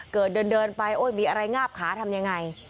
เดินไปโอ้ยมีอะไรงาบขาทำยังไง